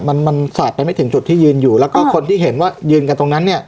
มันมันสอดไปไม่ถึงจุดที่ยืนอยู่แล้วก็คนที่เห็นว่ายืนกันตรงนั้นเนี่ย